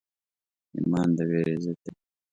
ایمان د ویرې ضد دی.